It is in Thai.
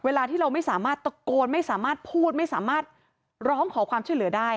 เวลาที่เราไม่สามารถตะโกนไม่สามารถพูดไม่สามารถร้องขอความช่วยเหลือได้